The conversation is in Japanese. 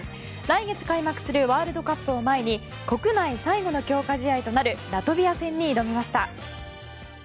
来月開幕するワールドカップを前に国内最後の強化試合となるラトビア戦に挑みました。